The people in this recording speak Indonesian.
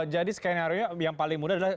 jadi skenario yang paling mudah adalah